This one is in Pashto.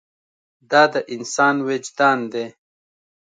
دا د انسان وجدان دی.